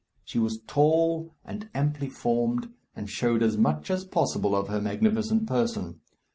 She was tall and amply formed, and showed as much as possible of her magnificent person.